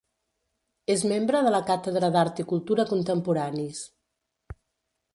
És membre de la Càtedra d'Art i Cultura Contemporanis.